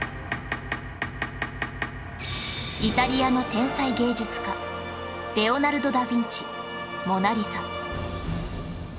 イタリアの天才芸術家レオナルド・ダ・ヴィンチ『モナ・リザ』